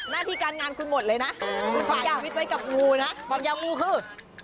หน้าที่การงานคุณหมดเลยนะคุณความยาววิทย์ไว้กับงูนะความยาวงูคือ